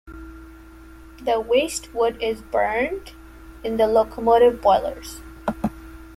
The waste wood is burned in the locomotive boilers.